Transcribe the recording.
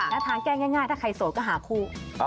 แล้วทางแก้ง่ายถ้าใครโสดก็หาคู่